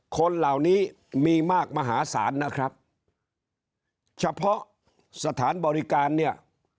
คนเหล่านี้มีมากมหาศาลนะครับเฉพาะสถานบริการเนี่ย